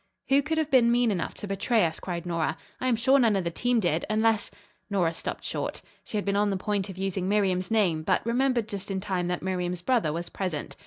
"Who could have been mean enough to betray us?" cried Nora. "I am sure none of the team did, unless " Nora stopped short. She had been on the point of using Miriam's name, but remembered just in time that Miriam's brother was present.